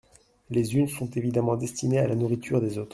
Les unes sont évidemment destinées à la nourriture des autres.